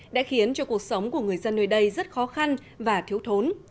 đã khiến cho cuộc sống của người dân nơi đây rất khó khăn và thiếu thốn